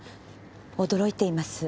驚いています。